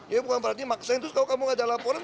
ya bukan berarti maksain terus kalau kamu gak ada laporan